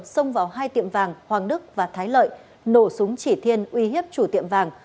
xông vào hai tiệm vàng hoàng đức và thái lợi nổ súng chỉ thiên uy hiếp chủ tiệm vàng